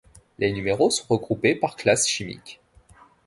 Les numéros sont regroupés par classes chimiques.